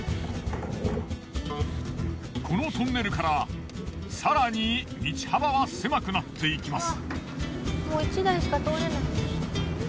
このトンネルから更に道幅は狭くなっていきます。